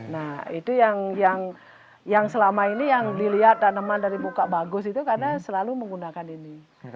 nah itu yang selama ini yang dilihat tanaman dari buka bagus itu karena selalu menggunakan ini